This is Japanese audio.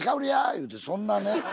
言うてそんなね。